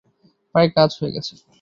প্রায় কাজ হয়ে গেছে!